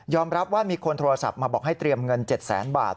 รับว่ามีคนโทรศัพท์มาบอกให้เตรียมเงิน๗แสนบาท